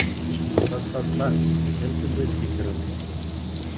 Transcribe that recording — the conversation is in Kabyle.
Taḍsa ḍsan-tt, s yimeṭṭi n widak yettrun.